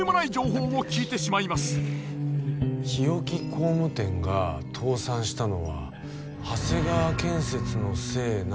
日置工務店が倒産したのは長谷川建設のせいなのではって。